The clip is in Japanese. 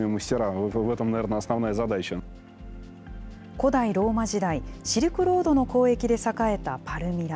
古代ローマ時代、シルクロードの交易で栄えたパルミラ。